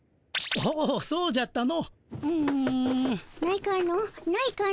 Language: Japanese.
おおそうじゃったの。